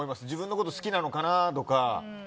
自分のこと好きなのかなとか。